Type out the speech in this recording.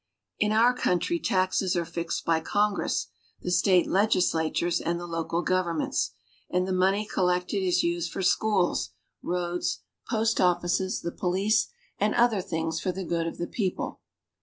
In our country taxes are fixed by Congress, the State Legislatures, and the local governments; and the money collected is used for schools, roads, post oflfices, the police, and other things for the good of the people.